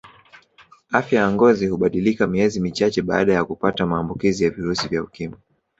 Afya ya ngozi hubadilika miezi michache baada ya kupata maamukizi ya virusi vya ukimwi